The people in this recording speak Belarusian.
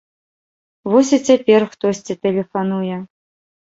Вось і цяпер хтосьці тэлефануе.